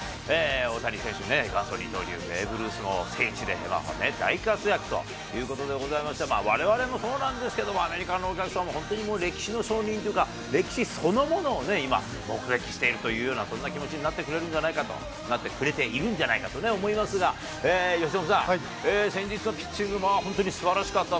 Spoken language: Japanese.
大谷選手ね、元祖二刀流選手のベーブ・ルースの聖地で大活躍ということでございまして、われわれもそうなんですけども、アメリカのお客さんも本当にもう、歴史の証人というか、歴史そのものを今、目撃しているというような、そんな気持ちになってくれているんじゃないかと思いますが、由伸さん、先日のピッチングも本当にすばらしかった。